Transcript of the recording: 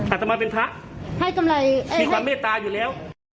อาจจะมาเป็นพระมีความเมตตาอยู่แล้ว